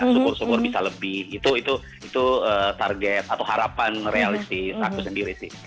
syukur syukur bisa lebih itu target atau harapan realistis aku sendiri sih